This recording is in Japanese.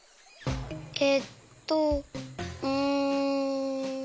えっとうん。